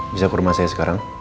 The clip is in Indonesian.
bisa ke rumah saya sekarang